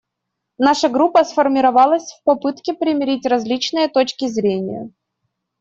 Наша группа сформировалась в попытке примирить различные точки зрения.